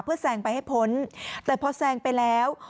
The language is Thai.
เพื่อแซงไปให้พ้นแต่พอแซงไปแล้ว